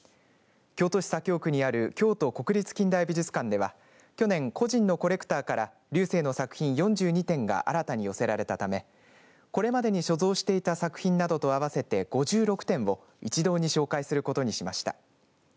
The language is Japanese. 京都市左京区にある京都国立近代美術館では去年、個人のコレクターから劉生の作品４２点が新たに寄せられたためこれまでに所蔵していた作品などとあわせて５６点を一堂に紹介することにしました。